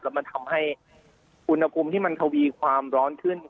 แล้วมันทำให้อุณหภูมิที่มันทวีความร้อนขึ้น